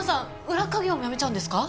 裏稼業も辞めちゃうんですか？